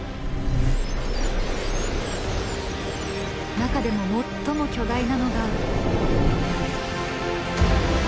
中でも最も巨大なのが。